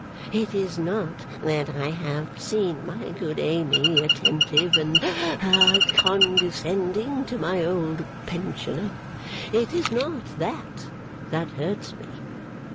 It is not that I have seen my good Amy attentive, and ha condescending to my old pensioner it is not that that hurts me.